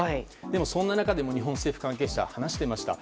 でも、そんな中でも日本政府関係者は話していました。